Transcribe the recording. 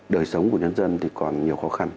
đời sống của nhân dân thì còn nhiều khó khăn